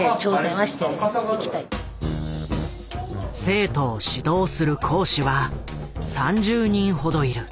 生徒を指導する講師は３０人ほどいる。